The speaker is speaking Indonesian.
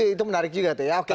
itu menarik juga